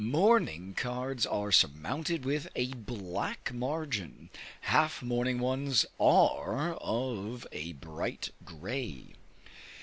Mourning cards are surmounted with a black margin, half mourning ones are of a bright gray.